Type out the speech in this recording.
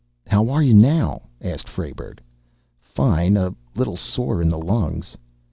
"How are you now?" asked Frayberg. "Fine. A little sore in the lungs."